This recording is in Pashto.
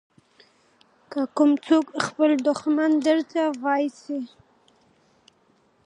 که کوم څوک خپل دښمن درته واېسي.